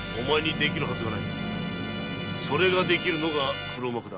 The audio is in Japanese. それが出来るのが黒幕だ。